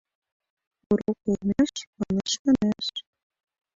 УРОК ОЛМЕШ МАНЕШ-МАНЕШ